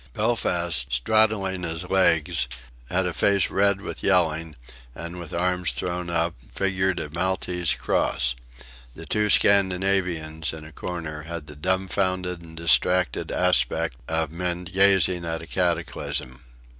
Belfast, straddling his legs, had a face red with yelling, and with arms thrown up, figured a Maltese cross. The two Scandinavians, in a corner, had the dumbfounded and distracted aspect of men gazing at a cataclysm.